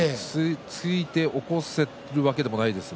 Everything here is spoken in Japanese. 突いて起こせるわけでもありません。